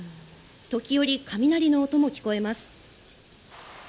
時折、雷の音も聞こえます。